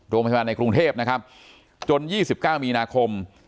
โรงพยาบาลในกรุงเทพฯนะครับจนยี่สิบเก้ามีนาคม